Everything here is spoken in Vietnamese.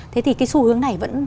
thế thì cái xu hướng này vẫn